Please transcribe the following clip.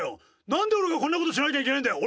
何で俺がこんなことしなきゃいけないんだよ！